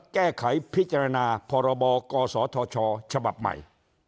แก้ไขพิจารณาพรบกศธชฉบับใหม่